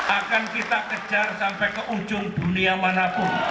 akan kita kejar sampai ke ujung dunia manapun